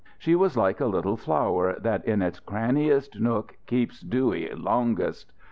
She was like a little flower that in its crannied nook keeps dewy longest.